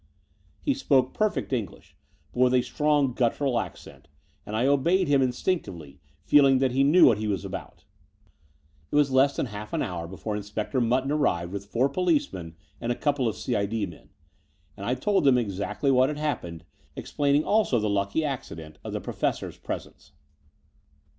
He spoke perfect English, but with a strong guttural accent; and I obeyed him instinctively, feeling that he knew what he was about. It was less than half an hotu: before Inspector Mutton arrived with four policemen and a couple of C.I. D. men; and I told them exactly what had happened, explaining also the lucky accident of the Professor's presence.